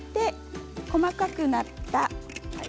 細かくなった。